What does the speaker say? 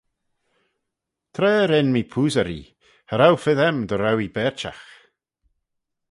Tra ren mee poosey ree, cha row fys aym dy row ee berçhagh.